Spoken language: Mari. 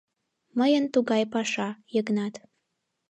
— Мыйын тугай паша, Йыгнат.